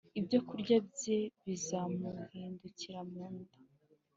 ibyokurya bye bizamuhindukira mu nda,